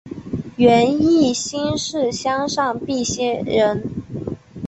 袁翼新市乡上碧溪人。